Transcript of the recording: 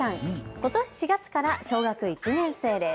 ことし７月から小学１年生です。